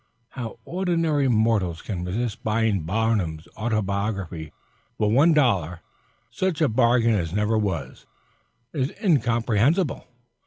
How ordinary mortals can resist buying Barnum's Autobiography for one dollar such a bargain as never was is incomprehensible.